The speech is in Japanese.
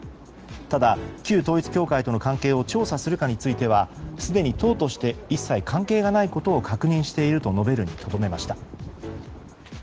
ただ、旧統一教会との関係を調査するかについてはすでに党として一切関係がないことを確認していると述べるにとどめました。